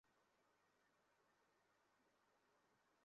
আর শাস্তি প্রদান করেন কাফেরদের এবং এটি হল কাফেরদের কর্মফল।